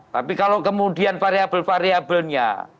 tapi kalau kemudian variabel variabelnya